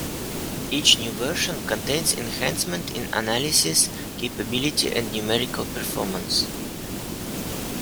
Each new version contains enhancements in analysis capability and numerical performance.